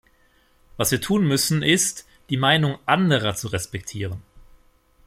Was wir tun müssen, ist, die Meinung anderer zu respektieren.